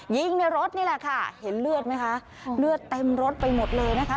ยิงในรถนี่แหละค่ะเห็นเลือดไหมคะเลือดเต็มรถไปหมดเลยนะคะ